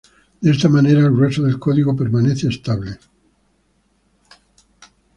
De esta manera, el grueso del código permanece estable.